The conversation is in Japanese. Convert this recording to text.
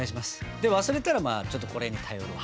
で忘れたらまあちょっとこれに頼るわ。